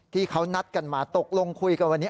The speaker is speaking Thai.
ที่เขานัดกันมาตกลงคุยกันวันนี้